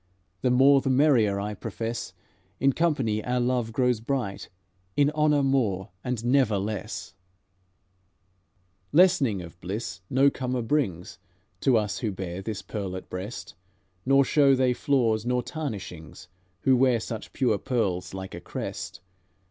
The more the merrier, I profess. In company our love grows bright, In honour more and never less. "Lessening of bliss no comer brings To us who bear this pearl at breast; Nor show they flaws nor tarnishings Who wear such pure pearls like a crest.